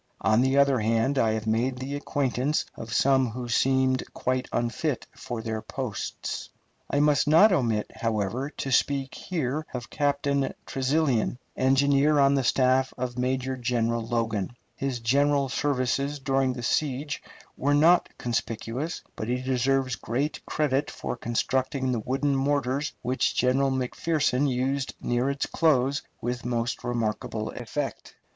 On the other hand, I have made the acquaintance of some who seemed quite unfit for their places. I must not omit, however, to speak here of Captain Tresilian, engineer on the staff of Major General Logan. His general services during the siege were not conspicuous, but he deserves great credit for constructing the wooden mortars which General McPherson used near its close with most remarkable effect.